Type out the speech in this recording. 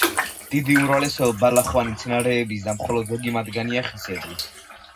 დიდი უმრავლესობა ბალახოვანი მცენარეების და მხოლოდ ზოგი მათგანია ხისებრი.